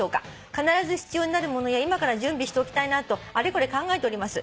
「必ず必要になるものや今から準備しておきたいなとあれこれ考えております。